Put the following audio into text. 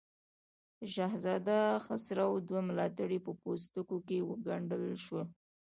د شهزاده خسرو دوه ملاتړي په پوستکو کې وګنډل شول.